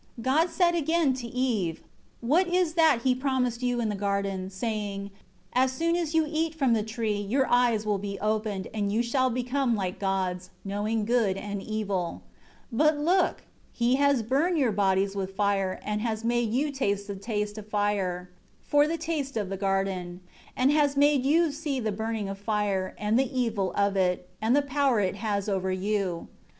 6 God said again to Eve, "What is that he promised you in the garden, saying, 'As soon as you eat from the tree, your eyes will be opened, and you shall become like gods, knowing good and evil.' But look! He has burnt your bodies with fire, and has made you taste the taste of fire, for the taste of the garden; and has made you see the burning of fire, and the evil of it, and the power it has over you.